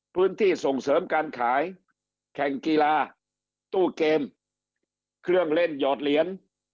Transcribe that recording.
พื้นที่ส่งเสริมการขายแข่งกีฬาตู้เกมเครื่องเล่นหยอดเหรียญ